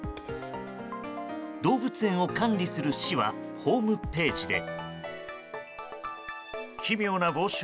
動物園を管理する市はホームページで。